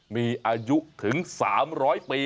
มีอายุถึง๓๐๐ปี